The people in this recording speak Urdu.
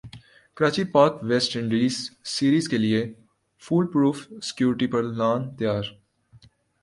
Karachi Pak West Indies series کیلئے فول پروف سیکورٹی پلان تیار